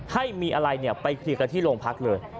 ให้มีอะไรเนี่ยไปคลีกกันที่โรงพักเลย